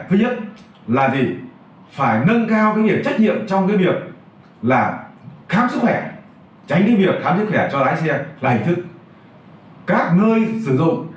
thứ nhất là phải nâng cao cái việc trách nhiệm trong cái việc là khám sức khỏe tránh cái việc khám sức khỏe cho lái xe là hình thức